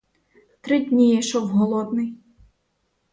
Три дні я йшов голодний.